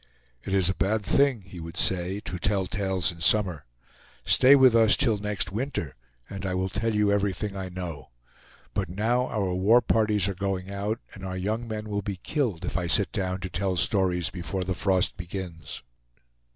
"It is a bad thing," he would say, "to tell the tales in summer. Stay with us till next winter, and I will tell you everything I know; but now our war parties are going out, and our young men will be killed if I sit down to tell stories before the frost begins."